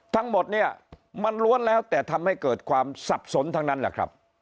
ทั้งหมดเนี่ยมันล้วนแล้วแต่ทำให้เกิดความสับสนทั้งนั้นแหละครับ